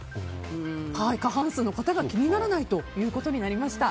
過半数の方が気にならないということになりました。